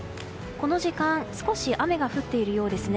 この時間少し雨が降っているようですね。